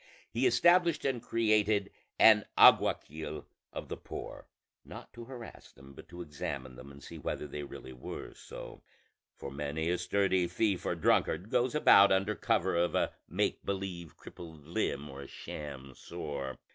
He established and created an alguacil of the poor, not to harass them, but to examine them and see whether they really were so; for many a sturdy thief or drunkard goes about under cover of a make believe crippled limb or a sham sore.